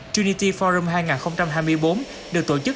trinity forum hai nghìn hai mươi bốn được tổ chức